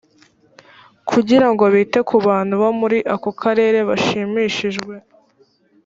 kugira ngo bite ku bantu bo muri ako karere bashimishijwe